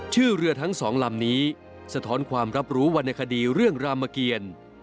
ชื่อเรือทั้งสองลำนี้สะท้อนความรับรู้วรรณคดีเรื่องรามเกียร